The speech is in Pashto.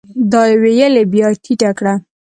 دا يې ويلې بيا ټيټه کړه ؟